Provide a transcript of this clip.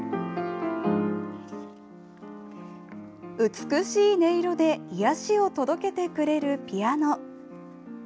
美しい音色で癒やしを届けてくれるピアノ。